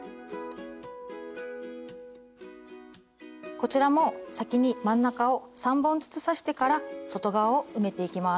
こちらも先に真ん中を３本ずつ刺してから外側を埋めていきます。